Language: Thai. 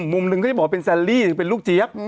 มุมหนึ่งก็จะบอกว่าเป็นแซนลี่หรือเป็นลูกเจี๊ยบ